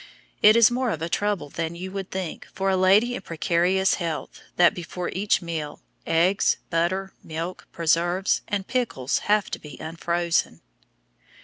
It is more of a trouble than you would think for a lady in precarious health that before each meal, eggs, butter, milk, preserves, and pickles have to be unfrozen.